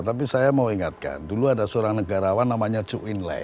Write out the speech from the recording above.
tapi saya mau ingatkan dulu ada seorang negarawan namanya cuk inlai